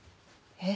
えっ！？